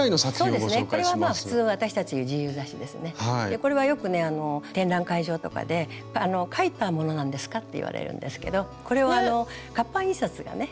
これはよくね展覧会場とかで「描いたものなんですか？」って言われるんですけどこれは活版印刷がね